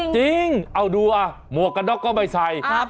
จริงเอาดูอ่ะหมวกกันน็อกก็ไม่ใส่